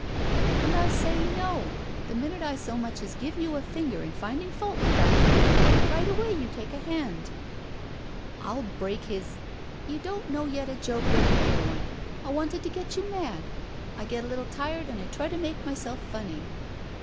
"And I say *no'! The minute I so much as give you a finger in finding fault with that boy, right away you take a hand!" 239 ROULETTE "ru break his— " You don't know yet a joke when you hear one. I wanted to get you mad! I get a little tired and I try to make myself funny."